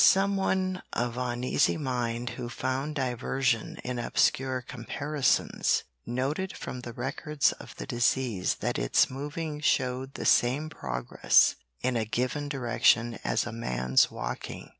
Some one of uneasy mind who found diversion in obscure comparisons, noted from the records of the disease that its moving showed the same progress in a given direction as a man's walking.